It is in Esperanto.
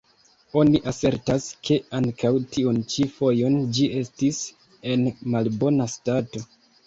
Oni asertas, ke ankaŭ tiun ĉi fojon ĝi estis en malbona stato.